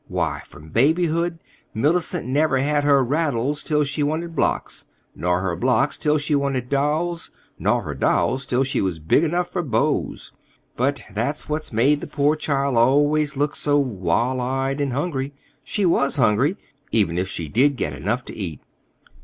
Why, from babyhood, Mellicent never had her rattles till she wanted blocks, nor her blocks till she wanted dolls, nor her dolls till she was big enough for beaus! And that's what made the poor child always look so wall eyed and hungry. She was hungry—even if she did get enough to eat."